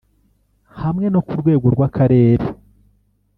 hamwe no ku rwego rw’akarere